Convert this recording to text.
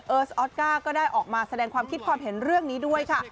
ออสการ์ก็ได้ออกมาแสดงความคิดความเห็นเรื่องนี้ด้วยค่ะ